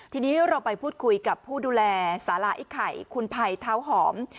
ทีนี้เราไปพูดคุยกับผู้ดูแลสาระไอ้ไข่คุณภัยเท้าหอม